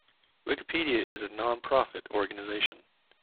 Wikipedia is a non-profit organization.